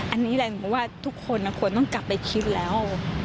อันนี้แหละหนูว่าทุกคนควรต้องกลับไปคิดแล้ว